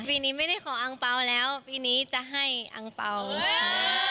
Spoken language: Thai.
ปีนี้ไม่ได้ขออังเปล่าแล้วปีนี้จะให้อังเปล่าค่ะ